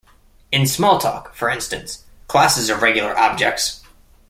In Smalltalk, for instance, classes are regular objects.